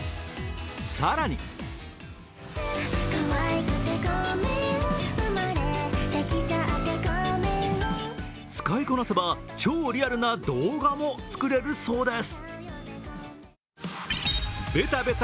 更に使いこなせば超リアルな動画も作れるそうです。